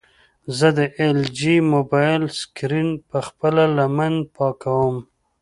زه د ایل جي موبایل سکرین په خپله لمن پاکوم.